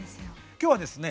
今日はですね